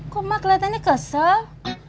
kok mak kelihatannya kesel